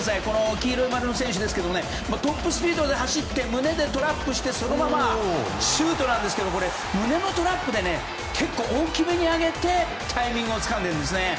黄色い丸の選手ですがトップスピードで走って胸でトラップしてそのままシュートなんですけどこれ、胸トラップで結構大きめに上げてタイミングをつかんでいるんです。